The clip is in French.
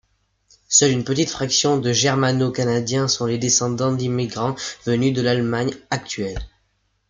Seule une petite fraction de Germano-Canadiens sont les descendants d'immigrants venus de l'Allemagne actuelle.